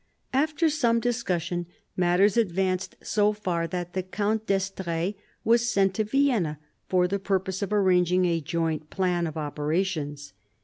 After some discussion, matters advanced so far that the Count d'Estrees was sent to Vienna for the purpose of arranging a joint plan of operations.